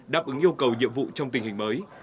đáp ứng yêu cầu nhiệm vụ trong tình hình mới